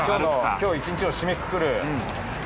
今日１日を締めくくる。